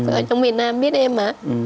ở trong việt nam biết em mà